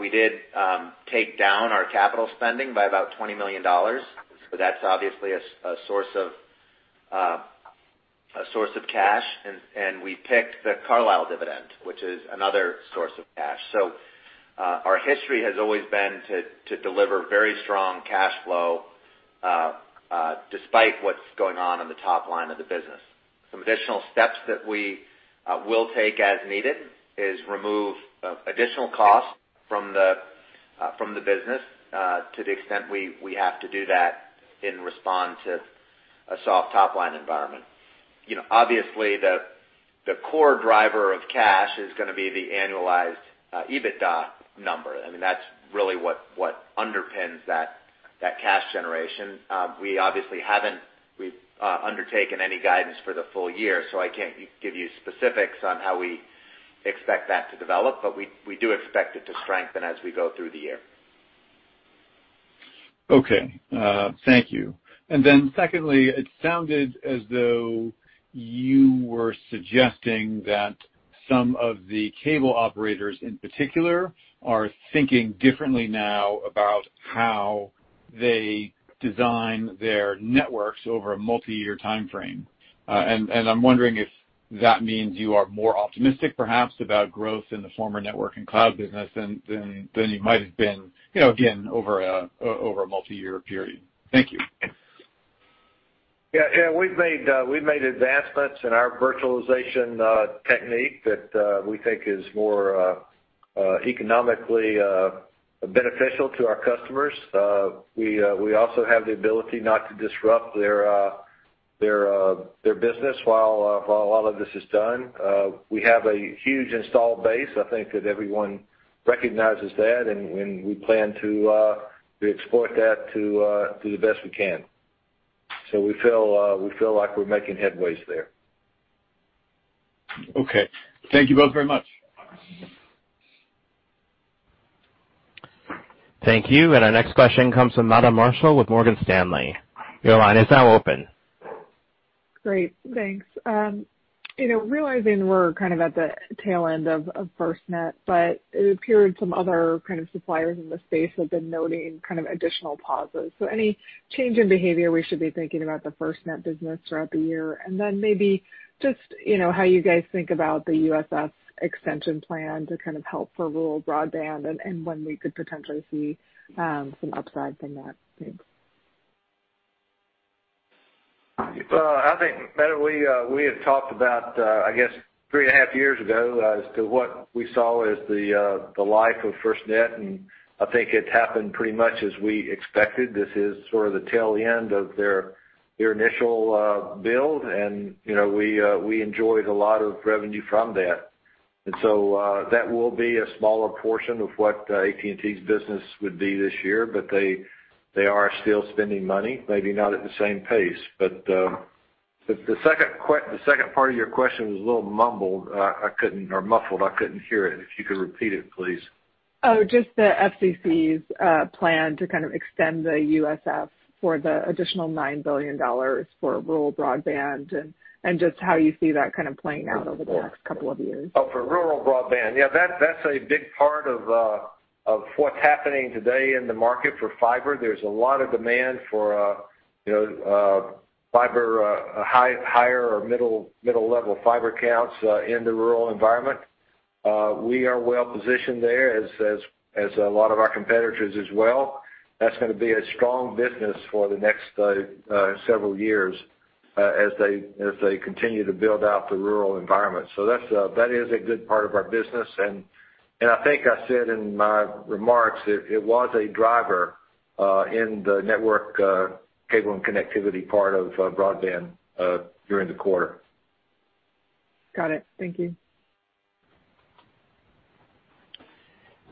We did take down our capital spending by about $20 million, so that's obviously a source of cash. We picked the Carlyle dividend, which is another source of cash. Our history has always been to deliver very strong cash flow, despite what's going on in the top line of the business. Some additional steps that we will take as needed is remove additional cost from the business to the extent we have to do that in response to a soft top-line environment. Obviously, the core driver of cash is going to be the annualized EBITDA number. That's really what underpins that cash generation. We obviously haven't undertaken any guidance for the full year, so I can't give you specifics on how we expect that to develop, but we do expect it to strengthen as we go through the year. Okay. Thank you. Secondly, it sounded as though you were suggesting that some of the cable operators in particular are thinking differently now about how they design their networks over a multi-year timeframe. I'm wondering if that means you are more optimistic perhaps about growth in the former network and cloud business than you might have been, again, over a multi-year period. Thank you. Yeah. We've made advancements in our virtualization technique that we think is more economically beneficial to our customers. We also have the ability not to disrupt their business while a lot of this is done. We have a huge install base. I think that everyone recognizes that and we plan to exploit that to the best we can. We feel like we're making headways there. Okay. Thank you both very much. Thank you and our next question comes from Meta Marshall with Morgan Stanley. Your line is now open. Great, thanks, you know, realizing we're kind of at the tail end of FirstNet, but it appeared some other kind of suppliers in the space have been noting kind of additional pauses. Any change in behavior we should be thinking about the FirstNet business throughout the year? Then maybe just how you guys think about the USF extension plan to kind of help for rural broadband, and when we could potentially see some upside from that. Thanks. I think, Meta, we had talked about, I guess three and a half years ago as to what we saw as the life of FirstNet, and I think it happened pretty much as we expected. This is sort of the tail end of their initial build and, you know, we enjoyed a lot of revenue from that. That will be a smaller portion of what AT&T's business would be this year. They are still spending money, maybe not at the same pace. The second part of your question was a little mumbled, or muffled, I couldn't hear it. If you could repeat it, please. Just the FCC's plan to kind of extend the USF for the additional $9 billion for rural broadband and just how you see that kind of playing out over the next couple of years. For rural broadband, yeah, that's a big part of what's happening today in the market for fiber. There's a lot of demand for, you know, higher or middle level fiber counts in the rural environment. We are well-positioned there, as a lot of our competitors as well. That's going to be a strong business for the next several years, as they continue to build out the rural environment, so that is a good part of our business. I think I said in my remarks that it was a driver in the network cable and connectivity part of broadband, during the quarter. Got it. Thank you.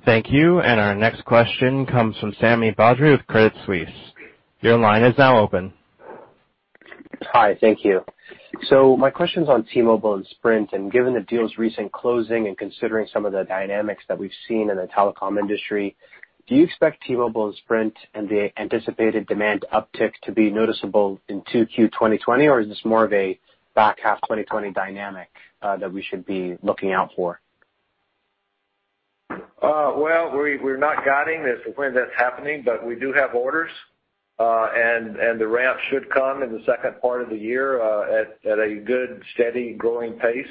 Thank you and our next question comes from Sami Badri with Credit Suisse. Your line is now open. Hi. Thank you. My question's on T-Mobile and Sprint, and given the deal's recent closing and considering some of the dynamics that we've seen in the telecom industry, do you expect T-Mobile and Sprint and the anticipated demand uptick to be noticeable into Q2 2020 or is this more of a back half 2020 dynamic that we should be looking out for? Well, we're not guiding as to when that's happening, but we do have orders. The ramp should come in the second part of the year at a good, steady, growing pace.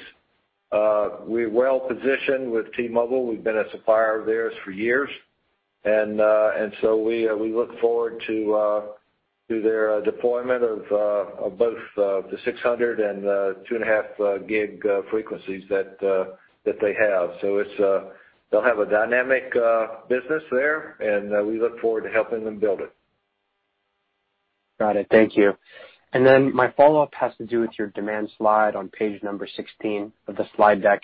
We're well-positioned with T-Mobile. We've been a supplier of theirs for years. We look forward to their deployment of both the 600 gig and the 2.5 gig frequencies that they have. They'll have a dynamic business there, and we look forward to helping them build it. Got it, thank you, and then my follow-up has to do with your demand slide on page number 16 of the slide deck.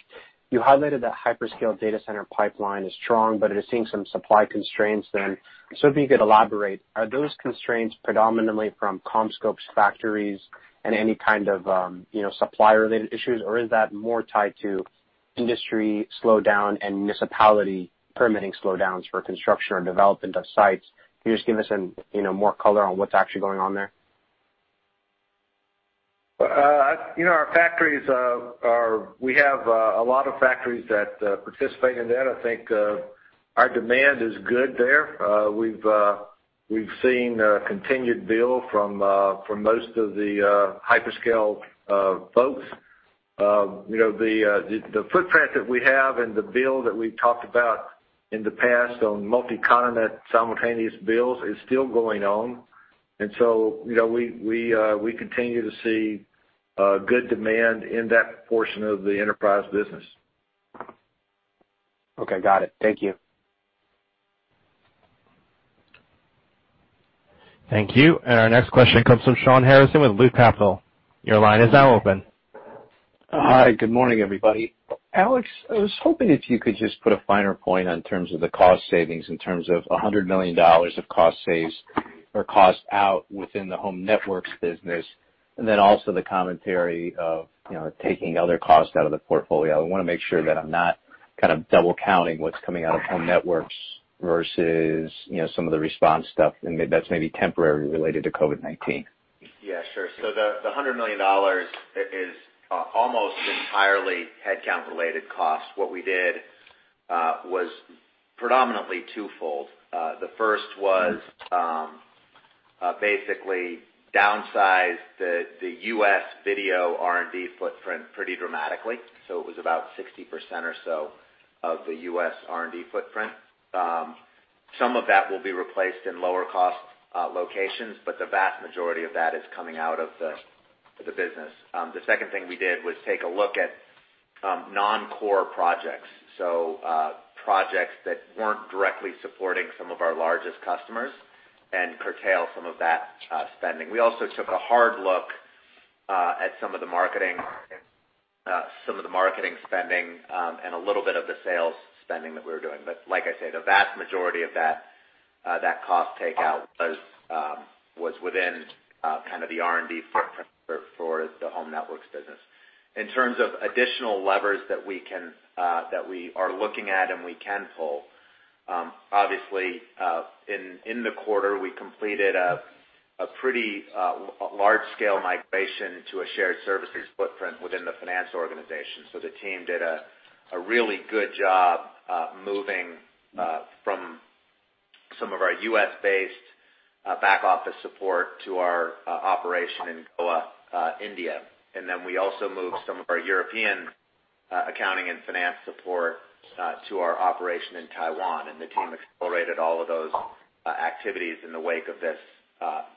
You highlighted that hyperscale data center pipeline is strong, but it is seeing some supply constraints then. If you could elaborate, are those constraints predominantly from CommScope's factories and any kind of supplier-related issues, or is that more tied to industry slowdown and municipality permitting slowdowns for construction or development of sites? Can you just give us more color on what's actually going on there? We have a lot of factories that participate in that. I think our demand is good there. We’ve seen a continued build from most of the hyperscale folks. The footprint that we have and the build that we’ve talked about in the past on multi-continent simultaneous builds is still going on. We continue to see good demand in that portion of the enterprise business. Okay, got it. Thank you. Thank you and our next question comes from Shawn Harrison with Loop Capital. Your line is now open. Hi. Good morning, everybody. Alex, I was hoping if you could just put a finer point on terms of the cost savings in terms of $100 million of cost saves or cost out within the Home Networks business, and then also the commentary of, you know, taking other costs out of the portfolio. I want to make sure that I'm not kind of double counting what's coming out of Home Networks versus some of the response stuff, and that's maybe temporary related to COVID-19. Yeah, sure, so the $100 million is almost entirely headcount-related costs. What we did was predominantly twofold. The first was basically downsize the U.S. video R&D footprint pretty dramatically. It was about 60% or so of the U.S. R&D footprint. Some of that will be replaced in lower cost locations, but the vast majority of that is coming out of the business. The second thing we did was take a look at non-core projects, so projects that weren't directly supporting some of our largest customers, and curtail some of that spending. We also took a hard look at some of the marketing spending, and a little bit of the sales spending that we were doing, but like I said, the vast majority of that cost takeout was within the R&D footprint for the Home Networks business. In terms of additional levers that we are looking at and we can pull, obviously, in the quarter, we completed a pretty large-scale migration to a shared services footprint within the finance organization. The team did a really good job moving from some of our U.S.-based back office support to our operation in Goa, India. We also moved some of our European accounting and finance support to our operation in Taiwan and the team accelerated all of those activities in the wake of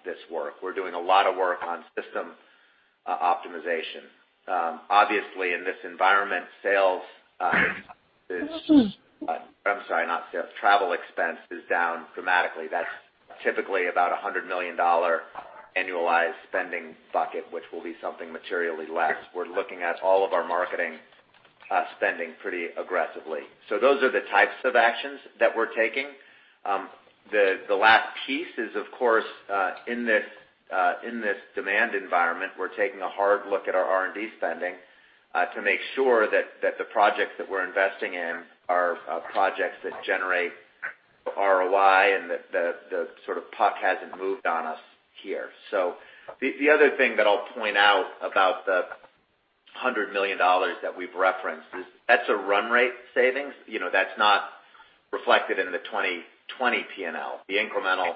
this work. We're doing a lot of work on system optimization. Obviously, in this environment, I'm sorry, not sales. Travel expense is down dramatically. That's typically about $100 million annualized spending bucket, which will be something materially less. We're looking at all of our marketing spending pretty aggressively. Those are the types of actions that we're taking. The last piece is, of course, in this demand environment, we're taking a hard look at our R&D spending to make sure that the projects that we're investing in are projects that generate ROI and the puck hasn't moved on us here. The other thing that I'll point out about the $100 million that we've referenced is that's a run rate savings. That's not reflected in the 2020 P&L. The incremental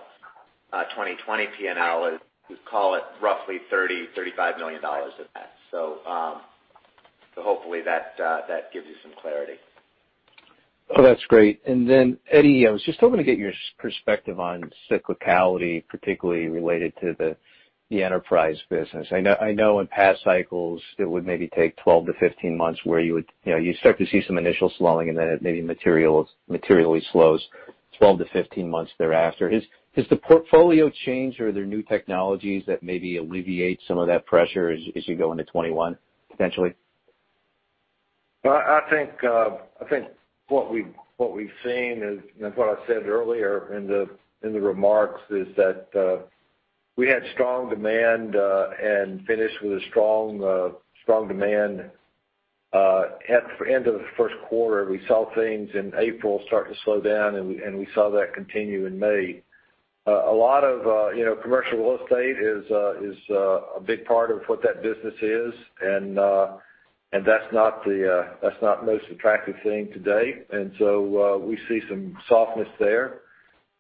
2020 P&L is, we call it roughly $30 million, $35 million of that, so hopefully that gives you some clarity. Oh, that's great. Eddie, I was just hoping to get your perspective on cyclicality, particularly related to the enterprise business. I know in past cycles, it would maybe take 12 months to 15 months where you start to see some initial slowing and then it maybe materially slows 12 months to 15 months thereafter. Has the portfolio changed or are there new technologies that maybe alleviate some of that pressure as you go into 2021, potentially? I think what we've seen is, and what I said earlier in the remarks, is that we had strong demand and finished with a strong demand. At the end of the first quarter, we saw things in April start to slow down, and we saw that continue in May. A lot of commercial real estate is a big part of what that business is and that's not the most attractive thing today. We see some softness there.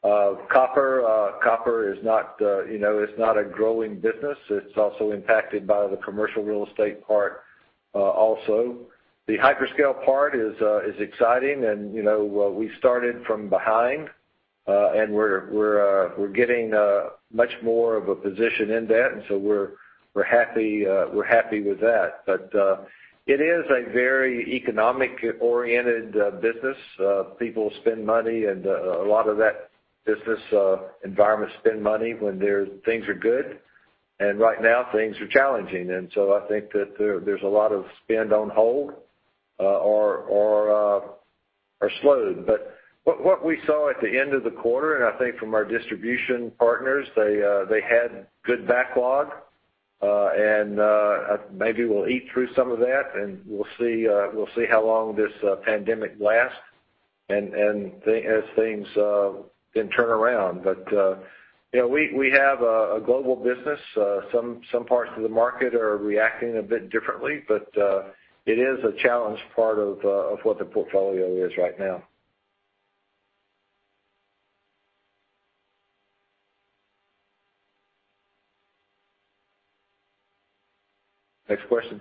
Copper is not a growing business. It's also impacted by the commercial real estate part also. The hyperscale part is exciting and, you know, we started from behind, and we're getting much more of a position in that, and so we're happy with that. It is a very economic-oriented business. People spend money and a lot of that business environment spend money when things are good and right now things are challenging. I think that there's a lot of spend on hold or slowed. What we saw at the end of the quarter, and I think from our distribution partners, they had good backlog, and maybe we'll eat through some of that, and we'll see how long this pandemic lasts and as things then turn around. We have a global business. Some parts of the market are reacting a bit differently, but it is a challenged part of what the portfolio is right now. Next question.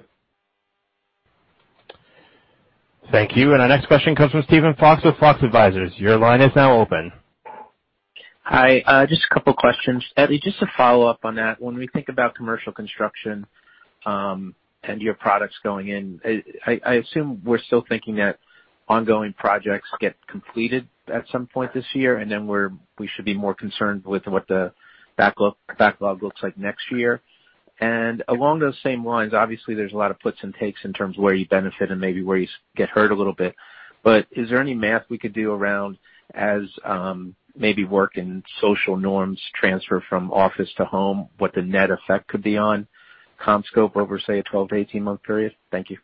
Thank you and our next question comes from Steven Fox with Fox Advisors. Your line is now open. Hi, just a couple questions. Eddie, just to follow up on that. When we think about commercial construction, and your products going in, I assume we're still thinking that ongoing projects get completed at some point this year, and then we should be more concerned with what the backlog looks like next year? Along those same lines, obviously there's a lot of puts and takes in terms of where you benefit and maybe where you get hurt a little bit, but is there any math we could do around as maybe work and social norms transfer from office to home, what the net effect could be on CommScope over, say, a 12-month to 18-month period? Thank you.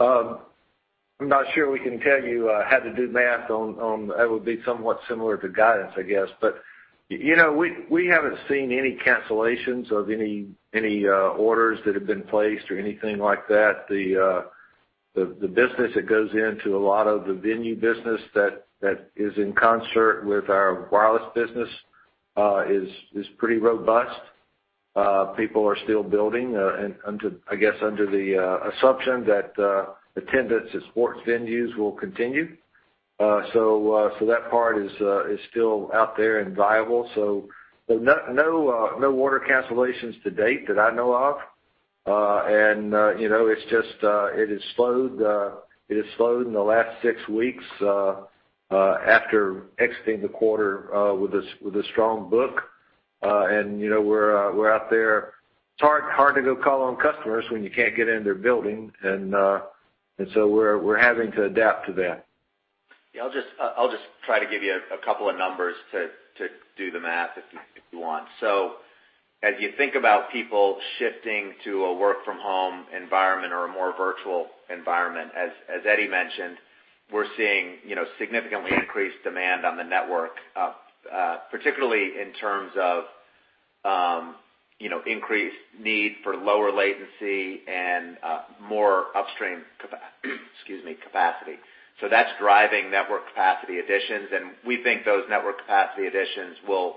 I'm not sure we can tell you how to do math on, that would be somewhat similar to guidance, I guess. We haven't seen any cancellations of any orders that have been placed or anything like that. The business that goes into a lot of the venue business that is in concert with our wireless business is pretty robust. People are still building, and I guess, under the assumption that attendance at sports venues will continue. That part is still out there and viable. No order cancellations to date that I know of. It has slowed in the last six weeks, after exiting the quarter with a strong book. We're out there. It's hard to go call on customers when you can't get into their building and we're having to adapt to that. Yeah. I'll just try to give you a couple of numbers to do the math if you want. As you think about people shifting to a work-from-home environment or a more virtual environment, as Eddie mentioned, we're seeing, you know, significantly increased demand on the network, particularly in terms of increased need for lower latency and more upstream, excuse me, capacity. That's driving network capacity additions, and we think those network capacity additions will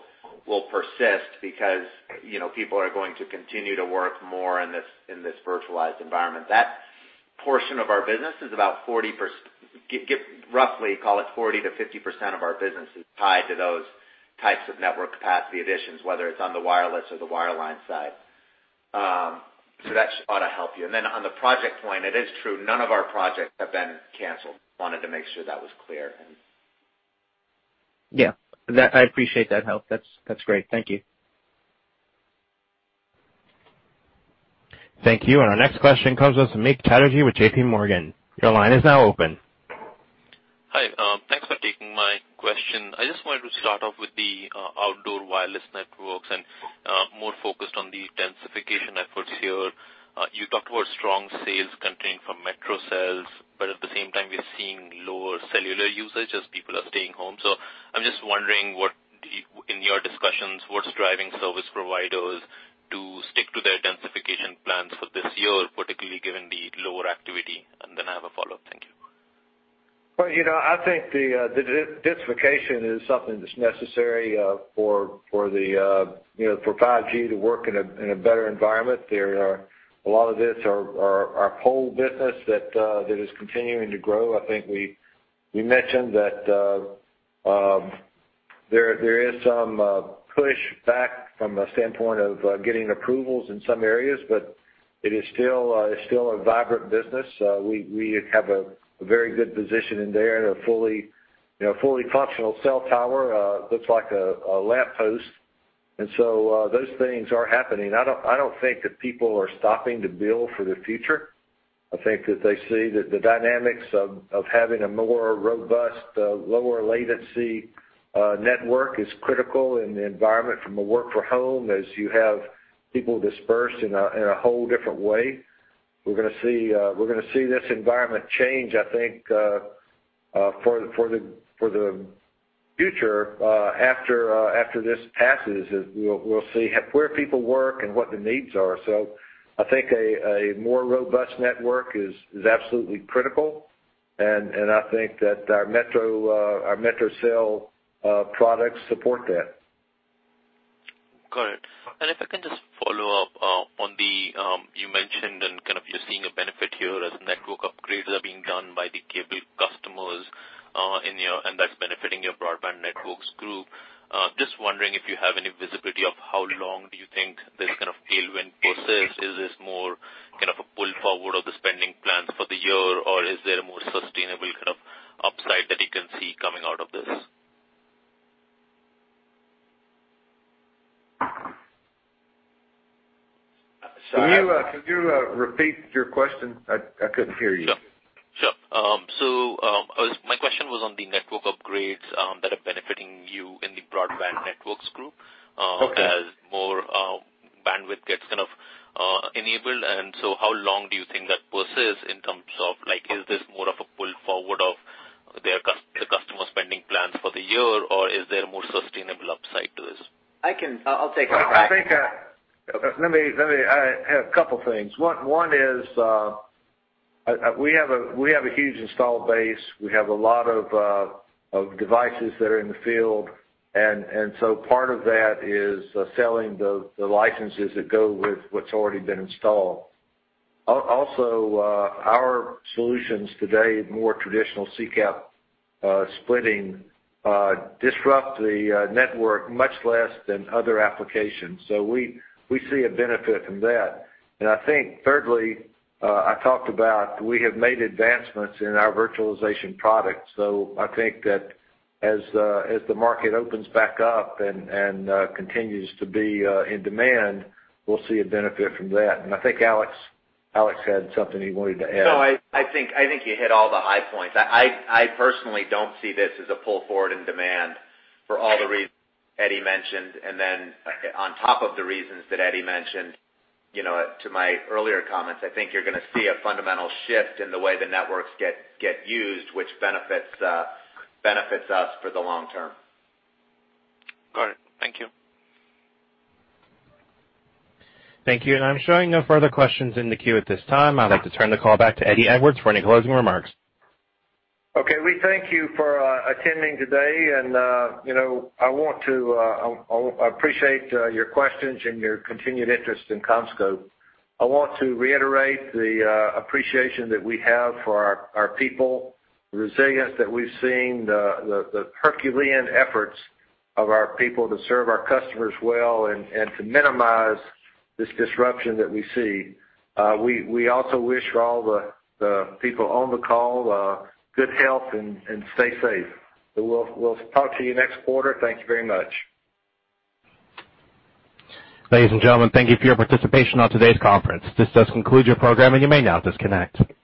persist because, you know, people are going to continue to work more in this virtualized environment. That portion of our business is about 40%., roughly call it 40% to 50% of our business is tied to those types of network capacity additions, whether it's on the wireless or the wireline side, so that ought to help you. On the project point, it is true, none of our projects have been canceled. I wanted to make sure that was clear. Yeah. I appreciate that help. That's great. Thank you. Thank you and our next question comes with Samik Chatterjee with J.P. Morgan, your line is now open. Hi. Thanks for taking my question. I just wanted to start off with the Outdoor Wireless Networks, and more focused on the densification efforts here. You talked about strong sales continuing from metro cells. At the same time, we are seeing lower cellular usage as people are staying home. I'm just wondering, in your discussions, what's driving service providers to stick to their densification plans for this year, particularly given the lower activity? Then I have a follow-up. Thank you. Well, you know, I think the densification is something that's necessary for 5G to work in a better environment. A lot of this, our pole business that is continuing to grow. I think we mentioned that there is some pushback from the standpoint of getting approvals in some areas, but it is still a vibrant business. We have a very good position in there and a fully functional cell tower that looks like a lamppost and so those things are happening. I don't think that people are stopping to build for the future. I think that they see that the dynamics of having a more robust, lower latency network is critical in the environment from a work from home, as you have people dispersed in a whole different way. We're going to see this environment change, I think, for the future, after this passes as, you know, we'll see where people work and what the needs are. I think a more robust network is absolutely critical, and I think that our metro cell products support that. Got it and if I can just follow up on the, you mentioned and kind of you're seeing a benefit here as network upgrades are being done by the cable customers, and that's benefiting your Broadband Networks group. I'm just wondering if you have any visibility of how long do you think this kind of tailwind persists? Is this more kind of a pull forward of the spending plans for the year, or is there a more sustainable kind of upside that you can see coming out of this? Samik, can you repeat your question? I couldn't hear you. Sure. My question was on the network upgrades that are benefiting you in the Broadband Networks group. Okay. As more bandwidth gets kind of enabled. How long do you think that persists in terms of, like, is this more of a pull forward of the customer spending plans for the year, or is there a more sustainable upside to this? I'll take a crack. I think, let me, I have a couple of things. One is, we have a huge installed base. We have a lot of devices that are in the field, and so part of that is selling the licenses that go with what's already been installed. Also, our solutions today, more traditional CCAP splitting, disrupt the network much less than other applications, and so we see a benefit from that. I think thirdly, I talked about, we have made advancements in our virtualization products. I think that as the market opens back up and continues to be in demand, we'll see a benefit from that, and I think Alex had something he wanted to add. No, I think you hit all the high points. I personally don't see this as a pull forward in demand for all the reasons Eddie mentioned, and then on top of the reasons that Eddie mentioned, to my earlier comments, I think you're going to see a fundamental shift in the way the networks get used, which benefits us for the long term. Got it. Thank you. Thank you and I'm showing no further questions in the queue at this time. I'd like to turn the call back to Eddie Edwards for any closing remarks. Okay. We thank you for attending today and, you know, I appreciate your questions, and your continued interest in CommScope. I want to reiterate the appreciation that we have for our people, the resilience that we've seen, the Herculean efforts of our people to serve our customers well and to minimize this disruption that we see. We also wish all the people on the call good health and stay safe. We'll talk to you next quarter. Thank you very much. Ladies and gentlemen, thank you for your participation on today's conference. This does conclude your program and you may now disconnect.